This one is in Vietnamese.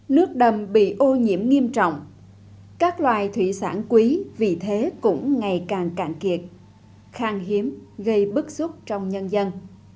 nước đầm bị ô nhiễm nghiêm trọng các loài thủy sản quý vị thế cũng ngày càng cạn kiệt khang hiếm gây bức xúc trong nhân dân